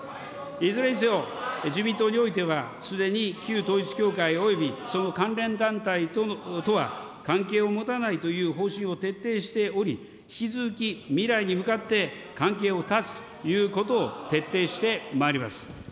いずれにせよ自民党においては、すでに旧統一教会およびその関連団体とは関係を持たないという方針を徹底しており、引き続き、未来に向かって関係を絶つということを徹底してまいります。